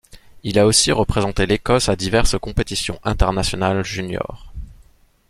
Il a aussi représenté l'Écosse à diverses compétitions internationales juniors.